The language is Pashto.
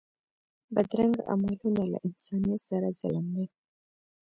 بدرنګه عملونه له انسانیت سره ظلم دی